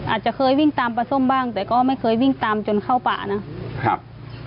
อาจจะเคยวิ่งตามปลาส้มบ้างแต่ก็ไม่เคยวิ่งตามจนเข้าป่านะครับ